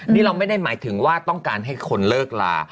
นี่เราไม่ได้หมายถึงว่าต้องการให้คนเลิกลา